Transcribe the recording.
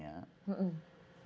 yang kalau mau dilakukan eksplorasi